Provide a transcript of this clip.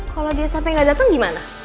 kalau dia sampe gak dateng gimana